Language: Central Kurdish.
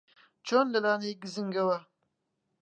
چۆن لە لانەی گزنگەوە